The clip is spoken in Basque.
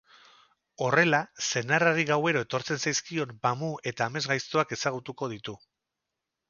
Honela, senarrari gauero etortzen zaizkion mamu eta amesgaiztoak ezagutuko ditu.